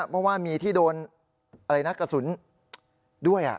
เพราะว่ามีที่โดนอะไรนะกระสุนด้วย